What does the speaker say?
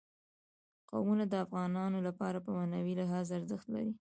قومونه د افغانانو لپاره په معنوي لحاظ ارزښت لري.